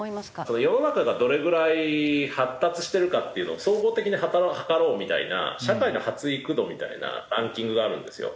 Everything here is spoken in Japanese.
世の中がどれぐらい発達しているかっていうのを総合的に測ろうみたいな社会の発育度みたいなランキングがあるんですよ。